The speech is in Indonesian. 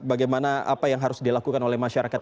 bagaimana apa yang harus dilakukan oleh masyarakat